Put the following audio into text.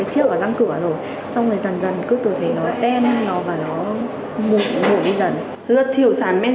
chiếc sâu răng cửa rồi xong rồi dần dần cứ tự thấy nó đen nó và nó ngủ đi dần thử thiểu sản men